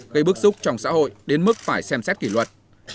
gây bức xúc trong xã hội đến mức phải xem xét kỷ luật